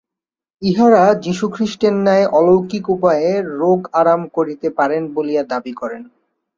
ইঁহারা যীশুখ্রীষ্টের ন্যায় অলৌকিক উপায়ে রোগ আরাম করিতে পারেন বলিয়া দাবী করেন।